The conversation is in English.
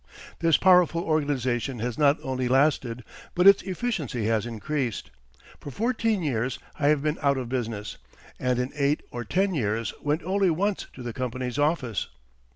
This powerful organization has not only lasted but its efficiency has increased. For fourteen years I have been out of business, and in eight or ten years went only once to the company's office.